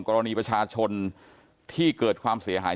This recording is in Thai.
กรณีประชาชนที่เกิดความเสียหาย